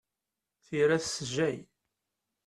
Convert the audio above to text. Tira tessejjay.